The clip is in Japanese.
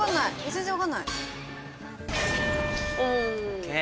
全然分かんない！ＯＫ！